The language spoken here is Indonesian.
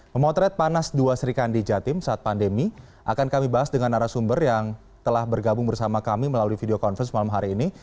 memotret panas dua serikandi jatim saat pandemi akan kami bahas dengan arah sumber yang telah bergabung bersama kami melalui video conference malam hari ini